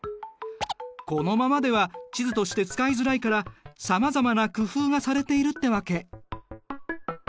このままでは地図として使いづらいからさまざまな工夫がされているってわけ。